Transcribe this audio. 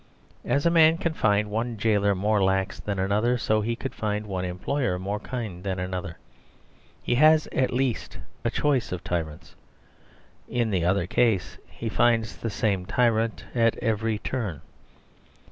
As a man can find one jailer more lax than another, so he could find one employer more kind than another; he has at least a choice of tyrants. In the other case he finds the same tyrant at every turn.